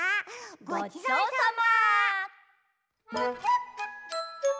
ごちそうさま。